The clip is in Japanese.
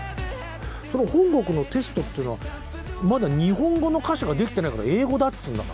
本国のテストっていうのは、まだ日本語の歌詞が出来てないから、英語だっつーんだから。